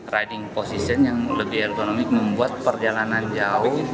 riding position yang lebih elektronik membuat perjalanan jauh